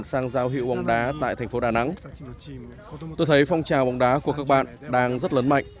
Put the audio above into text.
sang giao hiệu bóng đá tại thành phố đà nẵng tôi thấy phong trào bóng đá của các bạn đang rất lớn mạnh